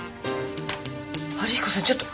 春彦さんちょっと。